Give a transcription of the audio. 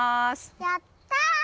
やった！